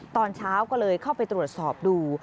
ตอนเช้าก็เลยเข้าไปตรวจสอบดู